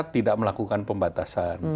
tidak melakukan pembatasan